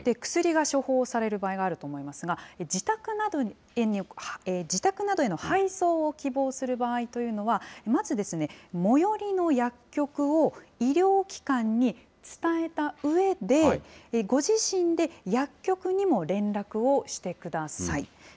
薬が処方される場合があると思いますが、自宅などへの配送を希望する場合というのは、まず最寄りの薬局を医療機関に伝えたうえで、ご自身で薬局にも連絡をしてください。